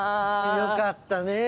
よかったねぇ。